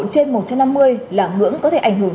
trên một trăm năm mươi là ngưỡng có thể ảnh hưởng